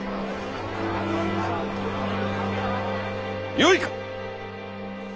よいか。